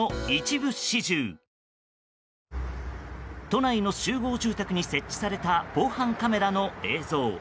都内の集合住宅に設置された防犯カメラの映像。